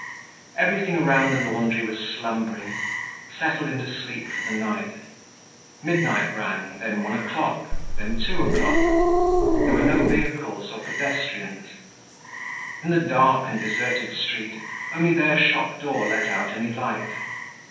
Everything around the laundry was slumbering, settled into sleep for the night. Midnight rang, then one o'clock, then two o'clock. There were no vehicles or pedestrians. In the dark and deserted street, only their shop door let out any light.